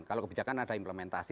kalau kebijakan ada implementasi